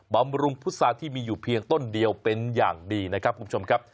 บำรุงพุษาที่มีอยู่เพียงต้นเดียวเป็นอย่างดีนะครับคุณผู้ชมครับ